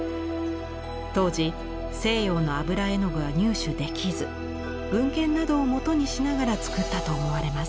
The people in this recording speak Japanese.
当時西洋の油絵の具は入手できず文献などを元にしながら作ったと思われます。